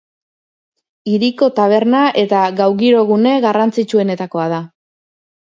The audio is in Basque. Hiriko taberna eta gau giro gune garrantzitsuenetakoa da.